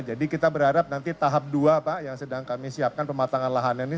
jadi kita berharap nanti tahap dua pak yang sedang kami siapkan pematangan lahannya ini